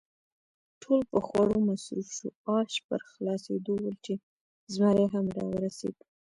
ټول په خوړو مصروف شوو، آش پر خلاصېدو ول چې زمري هم را ورسېد.